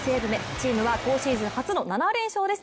チームは今シーズン初の７連勝です。